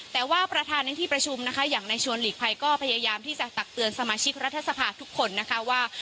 แต่ว่าประธานในที่ประชุมนะคะอย่างในชวนหลีกภัยก็พยายามที่จะตักเตือนสมาชิกรัฐสภาทุกคนนะคะว่า